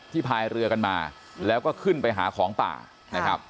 พายเรือกันมาแล้วก็ขึ้นไปหาของป่านะครับ